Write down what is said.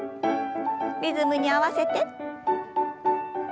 リズムに合わせて。